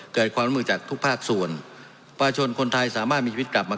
เกิดความร่วมมือจากทุกภาคส่วนประชาชนคนไทยสามารถมีชีวิตกลับมา